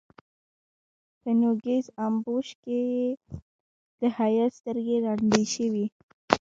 په نوږيز امبوش کې يې د حيا سترګې ړندې شوې.